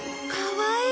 かわいい。